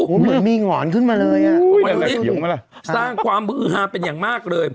โอ้โฮเหมือนมีหงรขึ้นมาเลยอ่ะมันอยู่ที่นี่สร้างความมือฮาเป็นอย่างมากเลย